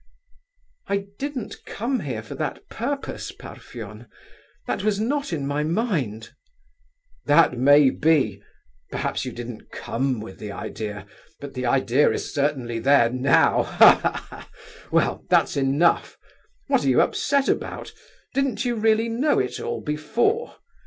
"I didn't come here for that purpose, Parfen. That was not in my mind—" "That may be! Perhaps you didn't come with the idea, but the idea is certainly there now! Ha, ha! well, that's enough! What are you upset about? Didn't you really know it all before?